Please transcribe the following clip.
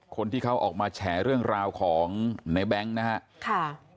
คนที่เขาออกมาแฉเรื่องราวของในแบงค์นะครับ